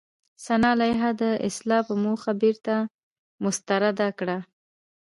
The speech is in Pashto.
سنا لایحه د اصلاح په موخه بېرته مسترده کړه.